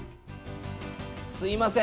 すいません。